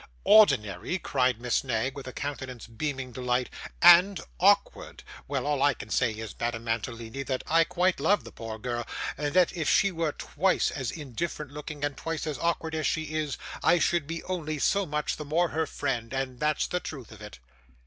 'Ordinary!' cried Miss Knag with a countenance beaming delight; 'and awkward! Well, all I can say is, Madame Mantalini, that I quite love the poor girl; and that if she was twice as indifferent looking, and twice as awkward as she is, I should be only so much the more her friend, and that's the truth of it.